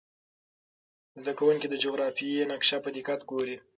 زده کوونکي د جغرافیې نقشه په دقت ګوري.